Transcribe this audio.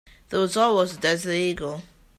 The result was the Desert Eagle.